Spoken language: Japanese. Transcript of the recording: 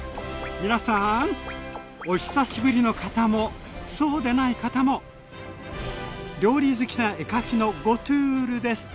皆さんお久しぶりの方もそうでない方も料理好きな絵描きのゴトゥールです。